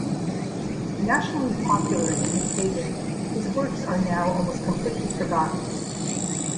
Nationally popular in his heyday, his works are now almost completely forgotten.